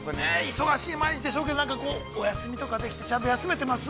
◆忙しい毎日でしょうけど、なんかこう、お休みとかできて、ちゃんと休めてます。